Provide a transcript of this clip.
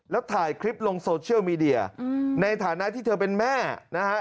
แล้วถ่ายคลิปลงโซเชียลมีเดียในฐานะที่เธอเป็นแม่นะฮะ